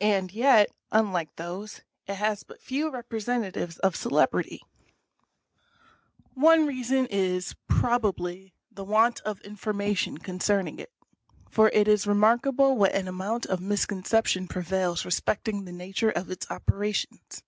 And yet, unlike those, it has but few representatives of celebrity. One reason is, probably, the want of information concerning it, for it is remarkable what an amount of misconcep tion prevails respecting the nature of its operations.